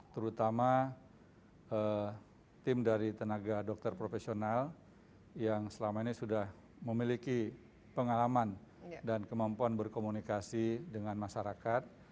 terutama tim dari tenaga dokter profesional yang selama ini sudah memiliki pengalaman dan kemampuan berkomunikasi dengan masyarakat